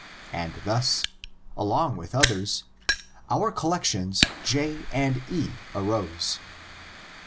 And thus, along with others, our collections J and E arose.